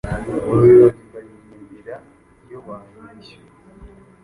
Mubirori mbaririmbira iyo banyishyuye